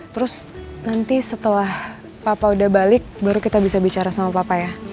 terus nanti setelah papa udah balik baru kita bisa bicara sama papa ya